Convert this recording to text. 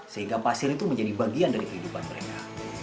sehingga pasir itu menjadi bagian dari kehidupan mereka